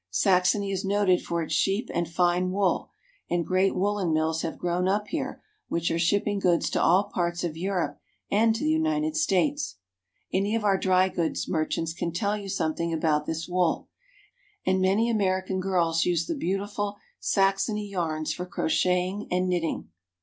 Saxony is noted for its sheep and fine wool, and great woolen mills have grown up here which are shipping goods to all parts of Europe and to the United States. Any of our dry goods merchants can tell you something about this wool, and many American girls use the beautiful Saxony yarns for crocheting and knitting.